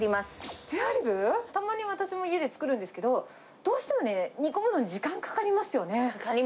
たまに私も家で作るんですけど、どうしてもね、煮込むのに時間かかかりますよね。